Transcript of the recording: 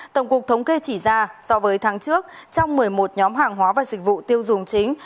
tổng cục thống kê chỉ ra so với tháng trước trong một mươi một nhóm hàng hóa và dịch vụ tiêu dùng chính